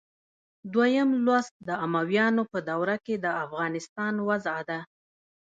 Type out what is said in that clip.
دویم لوست د امویانو په دوره کې د افغانستان وضع ده.